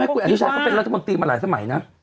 ไม่คุณอนุชาบอกว่าเป็นรัฐบาลตีมาหลายสมัยนะ